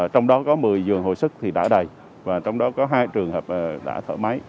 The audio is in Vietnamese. trong đó có một mươi giường hồi sức thì đã đầy và trong đó có hai trường hợp đã thở máy